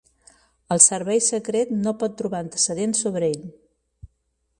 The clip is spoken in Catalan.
El servei secret no pot trobar antecedents sobre ell.